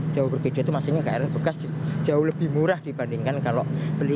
jauh berbeda itu maksudnya krl bekas jauh lebih murah dibandingkan kalau beli